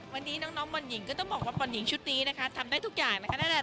วันนี้น้องบอลหญิงก็ต้องบอกว่าบอลหญิงชุดนี้นะคะทำได้ทุกอย่างนะคะ